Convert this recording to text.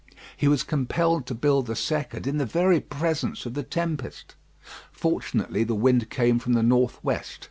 He was compelled to build the second in the very presence of the tempest. Fortunately the wind came from the north west.